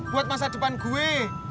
buat masa depan gue